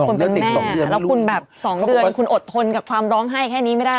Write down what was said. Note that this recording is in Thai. คนเป็นแม่แล้วคุณแบบ๒เดือนคุณอดทนกับความร้องไห้แค่นี้ไม่ได้